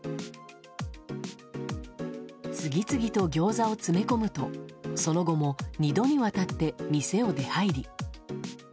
次々とギョーザを詰め込むとその後も２度にわたって店を出入り。